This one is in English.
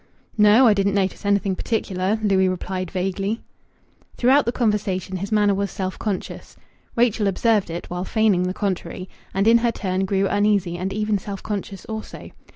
"No. I didn't notice anything particular," Louis replied vaguely. Throughout the conversation his manner was self conscious. Rachel observed it, while feigning the contrary, and in her turn grew uneasy and even self conscious also.